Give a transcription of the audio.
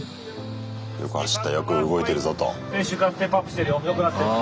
よく走ったよく動いてるぞと。